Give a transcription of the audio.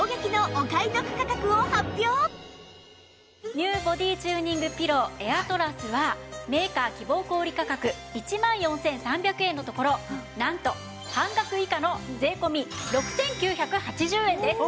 ＮＥＷボディチューニングピローエアトラスはメーカー希望小売価格１万４３００円のところなんと半額以下の税込６９８０円です。